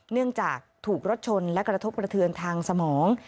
เนื่องจากถูกรถชนและกระทบกระเทือนทางสมอง